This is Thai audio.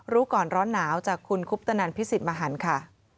รู้ก่อนร้อนหนาวจากคุณคุปตนันพิสิทธิ์มหันค่ะ